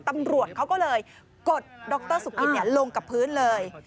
ตำรวจเขาก็เลยกดดรสุกิตลงกับพื้นเลย